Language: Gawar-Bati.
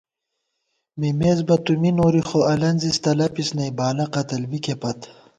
مِمېس بہ تُو می نوری خو الَنزِس تلَپِس نئ، بالہ قتل بِکےپت